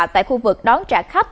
tại khu vực đón trả khách